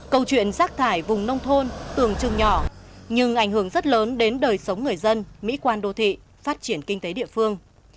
câu chuyện rác thải vùng nông thôn tưởng chừng nhỏ nhưng ảnh hưởng rất lớn đến đời sống người dân mỹ quan đô thị phát triển kinh tế địa phương